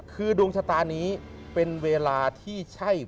คือดวงชะตานี้เป็นเวลาที่ใช่